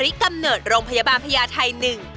ปริกำเนิดโรงพยาบาลไพยาทัย๑